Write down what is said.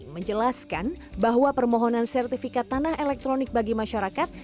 menjelaskan bahwa permohonan sertifikat tanah elektronik bagi masyarakat